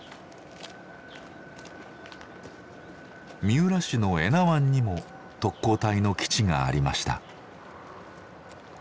三浦市の江奈湾にも特攻隊の基地がありました。